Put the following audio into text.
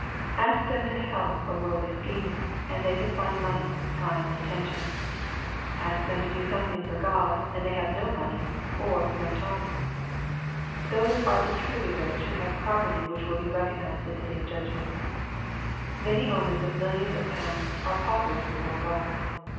Ask them to help a worldly scheme, and they can find money, time, and attention* Ask them to do something for God, and they have no money, or no time I Those are the truly rich who have property which will be recognized at the day of judgment Many owners of millions of pounds are paupers before God.